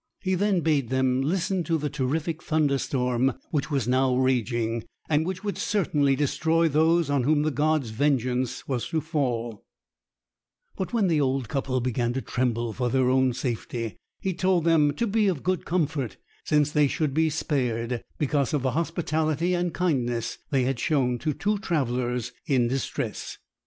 He then bade them listen to the terrific thunderstorm which was now raging, and which would certainly destroy those on whom the gods' vengeance was to fall; but when the old couple began to tremble for their own safety, he told them to be of good comfort, since they should be spared, because of the hospitality and kindness they had shown to two travellers in distress.